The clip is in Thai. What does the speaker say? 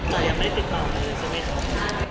แต่ยังไม่ติดต่อคุณซึ่งไหมคะ